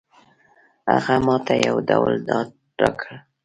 هغه ماته یو ډول ډاډ راکړ.